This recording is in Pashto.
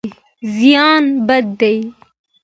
زیان بد دی.